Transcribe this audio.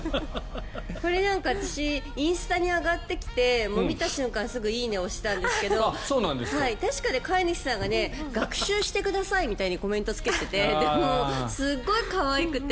これ、私インスタに上がってきて見た瞬間、すぐ「いいね」を押したんですけど確か飼い主さんが学習してくださいみたいなコメントをつけていてすごい可愛くて。